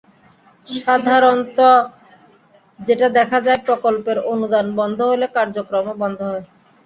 সাধারণত যেটা দেখা যায়, প্রকল্পের অনুদান বন্ধ হলে কার্যক্রমও বন্ধ হয়।